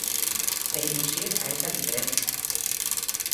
E imos ir a esa diferenza.